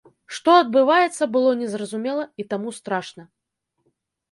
Што адбываецца, было незразумела і таму страшна.